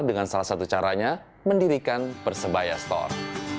dengan salah satu caranya mendirikan persebaya store